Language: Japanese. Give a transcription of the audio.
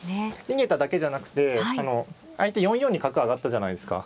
逃げただけじゃなくて相手４四に角上がったじゃないですか。